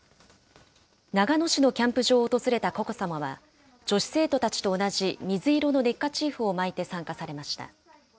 長野市のキャンプ場を訪れた佳子さまは、女子生徒と同じ水色のネッカチーフを巻いて参加されました。